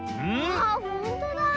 あっほんとだ！